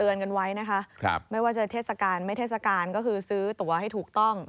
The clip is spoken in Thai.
กันไว้นะคะไม่ว่าจะเทศกาลไม่เทศกาลก็คือซื้อตัวให้ถูกต้อง